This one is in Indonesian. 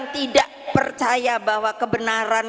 tidak percaya bahwa kebenaran